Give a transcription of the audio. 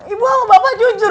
ibu sama bapak jujur